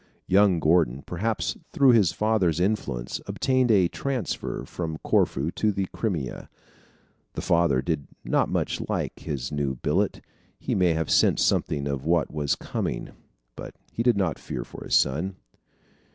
Young Gordon, perhaps through his father's influence, obtained a transfer from Corfu to the Crimea. The father did not much like his new billet. He may have sensed something of what was coming. But he did not fear for his son.